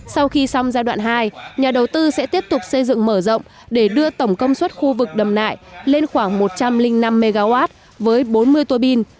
sau khi xong giai đoạn hai nhà đầu tư sẽ tiếp tục xây dựng mở rộng để đưa tổng công suất khu vực đầm nại lên khoảng một trăm linh năm mw với bốn mươi tuô bin